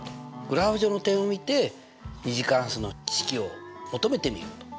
グラフ上の点を見て２次関数の式を求めてみようと。